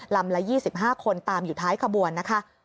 ลำละ๒๕คนตามอยู่ท้ายขบวน